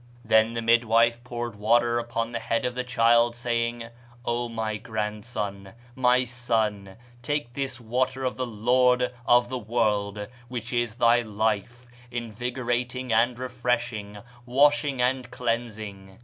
Then the midwife poured water upon the head of the child, saying, 'O my grandson my son take this water of the Lord of the world, which is thy life, invigorating and refreshing, washing and cleansing.